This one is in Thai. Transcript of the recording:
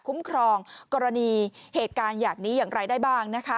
ครองกรณีเหตุการณ์อย่างนี้อย่างไรได้บ้างนะคะ